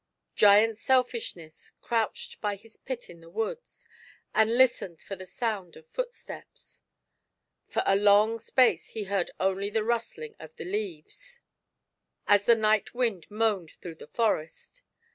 Giant Selfishness crouched by his pit in the woods, and listened for the sound of footsteps. For a long* space he heard only the nistling of the leaves, as the GIANT SELFISHSBSS. night wind moaned through tlie forest.